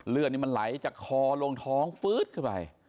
เลือดนี่มันไหลจากคอลงท้องฟื๊ดเข้าไป